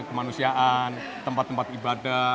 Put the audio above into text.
kemanusiaan tempat tempat ibadah